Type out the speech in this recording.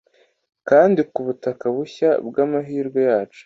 kandi ku butaka bushya bw'amahirwe yacu